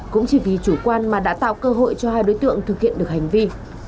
cũng chỉ vì chủ quan mà đã tạo cơ hội cho hai đối tượng thực hiện được hành vi